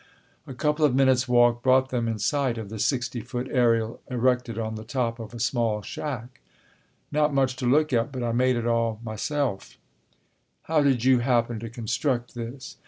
A couple of minutes' walk brought them in sight of the sixty foot aerial erected on the top of a small shack. "Not much to look at, but I made it all myself." [Illustration: His Motto] "How did you happen to construct this?"